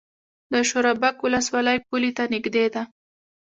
د شورابک ولسوالۍ پولې ته نږدې ده